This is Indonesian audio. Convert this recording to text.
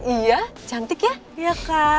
iya cantik ya